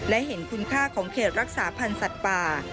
และเห็นคุณค่าของเขตรักษาพันธ์สัตว์ป่า